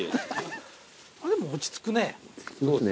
でも落ち着くね。